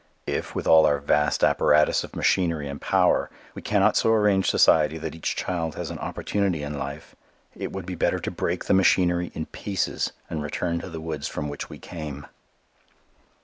If, with all our vast apparatus of machinery and power, we cannot so arrange society that each child has an opportunity in life, it would be better to break the machinery in pieces and return to the woods from which we came.